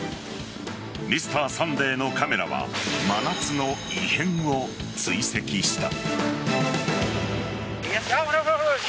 「Ｍｒ．サンデー」のカメラは真夏の異変を追跡した。